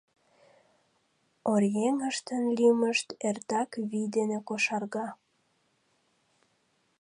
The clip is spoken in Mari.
Оръеҥыштын лӱмышт эртак «вий» дене кошарга.